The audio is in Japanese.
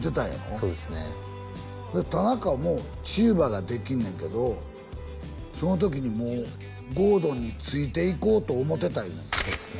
そうですねで田中もチューバができんねんけどその時にもう郷敦についていこうと思てた言うねんそうですね